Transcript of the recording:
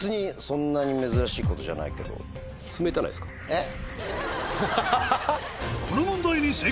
えっ？